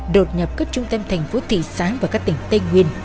đột nhập các trung tâm thành phố thị sáng và các tỉnh tây nguyên